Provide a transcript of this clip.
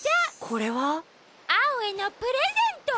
これは？アオへのプレゼント！